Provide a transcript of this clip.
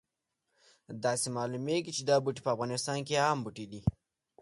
داسې معلومیږي چې دا بوټی په افغانستان کې عام بوټی دی